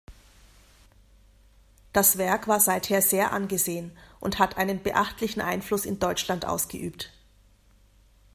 Das Werk war seither sehr angesehen und hat einen beachtlichen Einfluss in Deutschland ausgeübt.